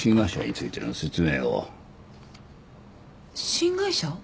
新会社？